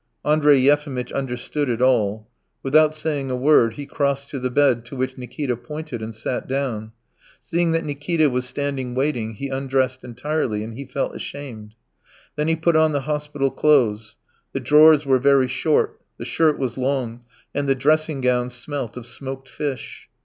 Andrey Yefimitch understood it all. Without saying a word he crossed to the bed to which Nikita pointed and sat down; seeing that Nikita was standing waiting, he undressed entirely and he felt ashamed. Then he put on the hospital clothes; the drawers were very short, the shirt was long, and the dressing gown smelt of smoked fish.